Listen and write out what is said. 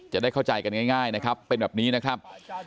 จะได้เข้าใจกันง่ายนะครับเป็นแบบนี้นะครับ